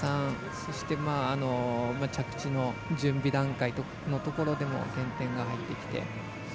そして着地の準備段階のところでも減点が入ってきて。